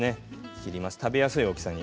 切ります、食べやすい大きさに。